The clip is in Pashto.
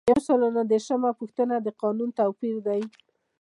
یو سل او نهه دیرشمه پوښتنه د قانون توپیر دی.